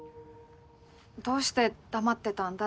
どうして黙ってたんだ？